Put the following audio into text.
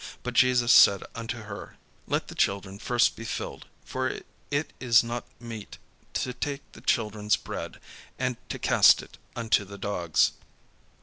But Jesus said unto her: "Let the children first be filled: for it is not meet to take the children's bread, and to cast it unto the dogs."